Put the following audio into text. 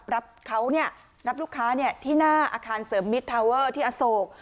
รับเขานี่รับลูกค้านี่ที่หน้าอาคารเซอร์มิทไทเวอร์ที่อโศก